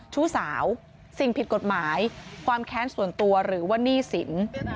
ชู้สาวสิ่งผิดกฎหมายความแค้นส่วนตัวหรือว่าหนี้สิน